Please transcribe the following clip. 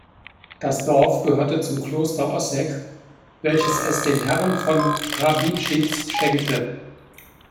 Das Dorf gehörte zum Kloster Ossegg, welches es den Herren von Hrabischitz schenkte.